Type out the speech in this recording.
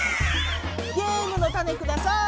ゲームのタネください！